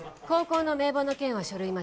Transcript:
高校の名簿の件は書類